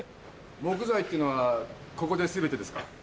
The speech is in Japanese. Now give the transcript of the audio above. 木材っていうのはここで全てですか？